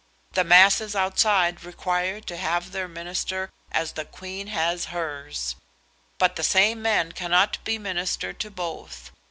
The masses outside require to have their minister as the Queen has hers; but the same man cannot be minister to both.